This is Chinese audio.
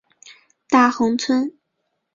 大衡村。